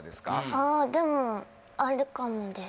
あでもあるかもです